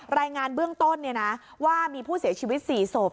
รายงานเบื้องต้นเนี้ยนะว่ามีผู้เสียชีวิตสี่ศพ